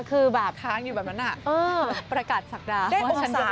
คือแบบค้างอยู่แบบนั้นอ่ะประกาศศักรรณ์